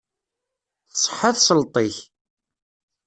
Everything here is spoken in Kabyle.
Tṣeḥḥa tesleṭ-ik.